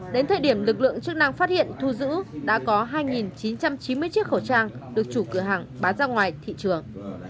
đến thời điểm lực lượng chức năng phát hiện thu giữ đã có hai chín trăm chín mươi chiếc khẩu trang được chủ cửa hàng bán ra ngoài thị trường